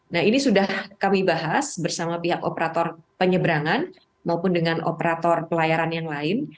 nah ini sudah kami bahas bersama pihak operator penyeberangan maupun dengan operator pelayaran yang lain